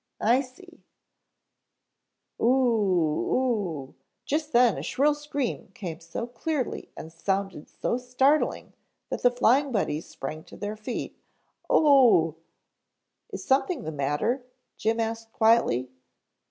"I see " "O o " Just then a shrill scream came so clearly and sounded so startling that the Flying Buddies sprang to their feet. "O " "Is something the matter?" Jim asked quietly.